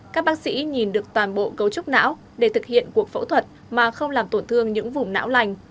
các bác sĩ nhìn được toàn bộ cấu trúc não để thực hiện cuộc phẫu thuật mà không làm tổn thương những vùng não lành